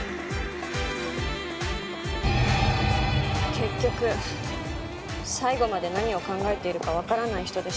結局最後まで何を考えているかわからない人でした。